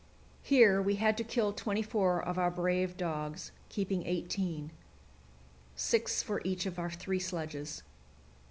Here we had to kill twenty four of our brave dogs, keeping eighteen six for each of our three sledges.